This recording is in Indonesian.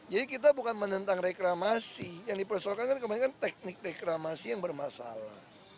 jadi kita bukan menentang reklamasi yang dipersoalkan kebanyakan teknik reklamasi yang bermasalah